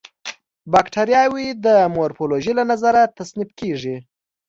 باکټریاوې د مورفولوژي له نظره تصنیف کیږي.